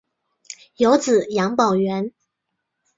有子杨葆元。